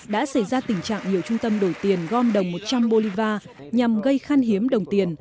đã xảy ra tình trạng nhiều trung tâm đổi tiền gom đồng một trăm linh bolivar nhằm gây khăn hiếm đồng tiền